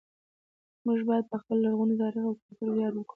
موږ باید په خپل لرغوني تاریخ او کلتور ویاړ وکړو